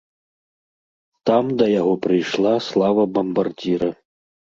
Там да яго прыйшла слава бамбардзіра.